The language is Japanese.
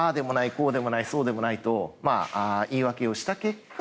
こうでもないそうでもないと言い訳をした結果